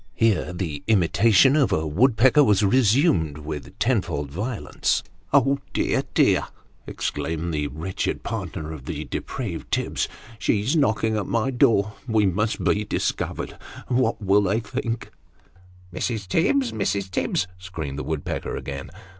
(Here the imitation of a woodpecker was resumed with tenfold violence.) " Oh, dear dear !" exclaimed the wretched partner of the depraved Denouement. 233 Tibbs. "She's knocking at my door. We must be discovered! What will they think ?"" Mrs. Tibbs ! Mrs. Tibbs !" screamed the woodpecker again.